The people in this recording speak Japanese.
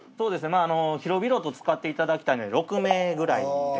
まああの広々と使っていただきたいので６名ぐらいで。